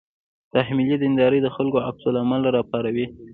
تحمیلي دینداري د خلکو عکس العمل راپاروي.